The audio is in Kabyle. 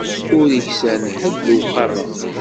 Ur iksan ḥedd lewqama.